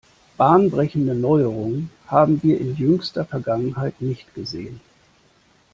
Bahnbrechende Neuerungen haben wir in jüngster Vergangenheit nicht gesehen.